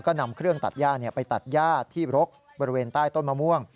ก็นำเครื่องตัดย่าไปตัดย่าที่รกบริเวณใต้ต้นมะม่วง